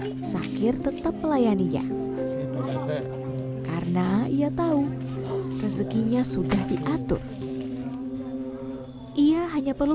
yang lebih murah sakir tetap melayani dia karena ia tahu rezekinya sudah diatur ia hanya perlu